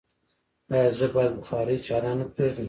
ایا زه باید بخاری چالانه پریږدم؟